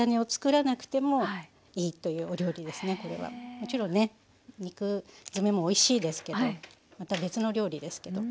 もちろんね肉詰めもおいしいですけどまた別の料理ですけど。